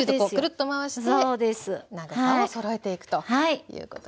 長さをそろえていくということですね。